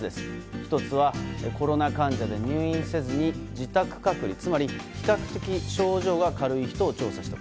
１つは、コロナ患者で入院せずに自宅隔離つまり比較的症状が軽い人を調査した。